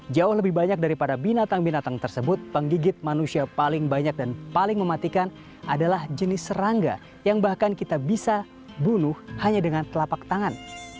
jauh lebih banyak daripada binatang binatang tersebut penggigit manusia paling banyak dan paling mematikan adalah jenis serangga yang bahkan kita bisa bunuh hanya dengan telapak tangan